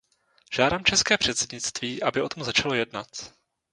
Žádám české předsednictví, aby o tom začalo jednat.